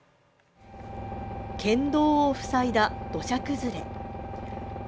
県道を塞いだ土砂崩れ。